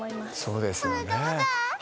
そうですよね。